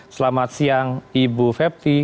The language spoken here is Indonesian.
selamat siang ibu fepti